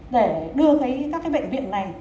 để đưa các cái bệnh viện này